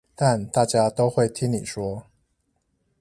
但大家都會聽你說